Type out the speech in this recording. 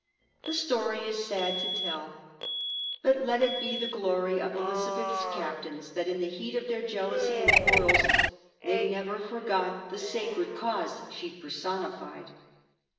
The story is sad to tell, but let it be the glory of Elizabeth's captains that in the heat of their jealousy and quarrels they never forgot the sacred cause she personified.